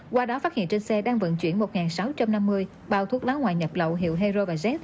qua đó phát hiện trên xe đang vận chuyển một sáu trăm năm mươi bao thuốc lá ngoại nhập lậu hiệu hero và z